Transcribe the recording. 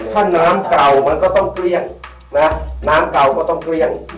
ถ้าน้ำเก่ามันก็ต้องเกลี้ยงนะน้ำเก่าก็ต้องเกลี้ยง